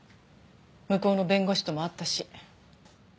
向こうの弁護士とも会ったし。